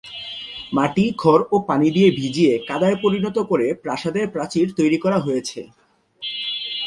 মাটি, খড় ও পানি দিয়ে ভিজিয়ে কাদায় পরিণত করে প্রাসাদের প্রাচীর তৈরি করা হয়েছে।